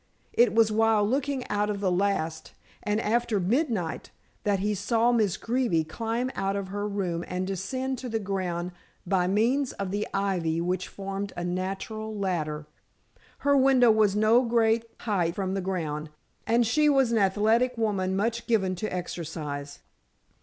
It was while looking out of the last, and after midnight, that he saw Miss Greeby climb out of her room and descend to the ground by means of the ivy which formed a natural ladder. Her window was no great height from the ground, and she was an athletic woman much given to exercise.